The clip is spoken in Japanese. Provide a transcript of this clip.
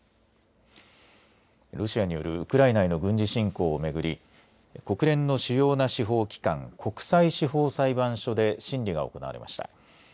ロシアによるウクライナへの軍事進攻をめぐり国連の主要な司法機関国際司法裁判所で審理が行われました。